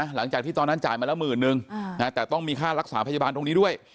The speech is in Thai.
หลังจากที่ตอนนั้นจ่ายมาแล้วหมื่นนึงแต่ต้องมีค่ารักษาพยาบาลตรงนี้ด้วย